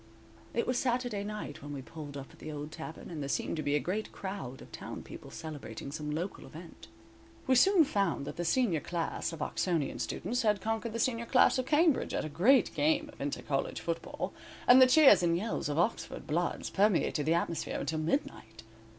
It was Saturday night when we pulled up at the old tavern, and there seemed to be a great crowd of town people celebrating some local event. We soon found that the senior class of Oxonian students had conquered the senior class of Cambridge at a great game of inter college football and the cheers and yells of Oxford bloods permeated the atmosphere until midnight.